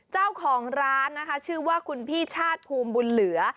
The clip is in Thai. เจ้าของร้านนะคะชื่อว่าคุณพี่ชาติภูมิบุญเหลือ